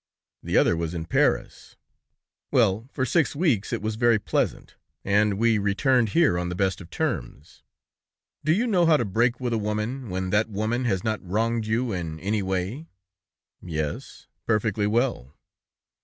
"The other was in Paris! Well, for six weeks it was very pleasant, and wre returned here on the best of terms. Do you know how to break with a woman, when that woman has not wronged you in any way?" "Yes, perfectly well."